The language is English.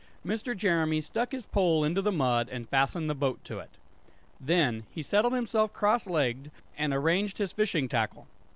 Mr. Jeremy stuck his pole into the mud and fastened the boat to it. Then he settled himself cross legged and arranged his fishing tackle.